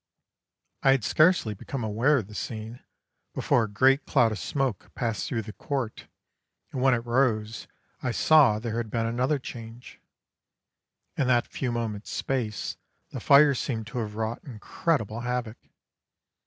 I had scarcely become aware of the scene before a great cloud of smoke passed through the court, and when it rose I saw there had been another change: in that few moments' space the fire seemed to have wrought incredible havoc.